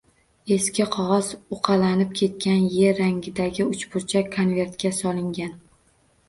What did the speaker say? Eski qog’oz, uqalanib ketgan, yer rangidagi uchburchak konvertga solingan.